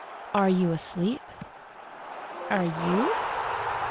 "Are you asleep?" "Are you?"